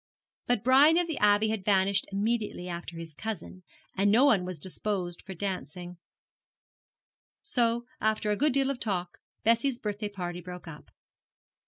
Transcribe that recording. But Brian of the Abbey had vanished immediately after his cousin, and no one was disposed for dancing; so, after a good deal of talk, Bessie's birthday party broke up.